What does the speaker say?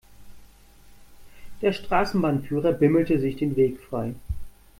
Der Straßenbahnführer bimmelte sich den Weg frei.